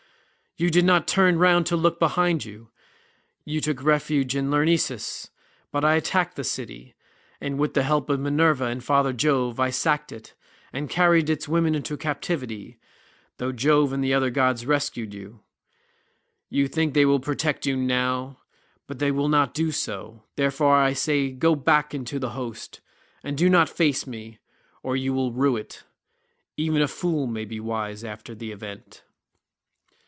You did not turn round to look behind you; you took refuge in Lyrnessus, but I attacked the city, and with the help of Minerva and father Jove I sacked it and carried its women into captivity, though Jove and the other gods rescued you. You think they will protect you now, but they will not do so; therefore I say go back into the host, and do not face me, or you will rue it. Even a fool may be wise after the event."